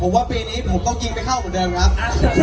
ผมว่าปีนี้ผมต้องกินไปเข้าเหมือนเดิมครับ